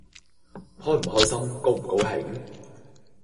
開唔開心？高唔高興？